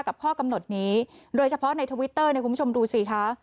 ข้อกำหนดนี้โดยเฉพาะในทวิตเตอร์เนี่ยคุณผู้ชมดูสิคะ